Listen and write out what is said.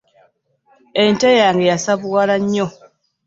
Ente yange yasavuwala nnyo